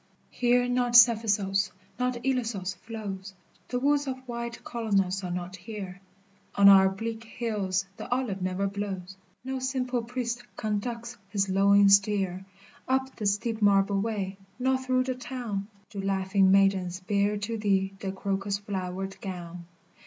Here not Cephissos, not Ilissos flows, The woods of white Colonos are not here, On our bleak hills the olive never blows, No simple priest conducts his lowing steer Up the steep marble way, nor through the town Do laughing maidens bear to thee the crocus flowered gown.